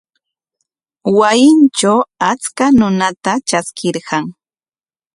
Wasintraw achka runata traskirqan.